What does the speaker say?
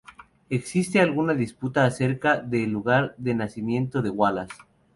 Existe alguna disputa acerca del lugar de nacimiento de Wallace.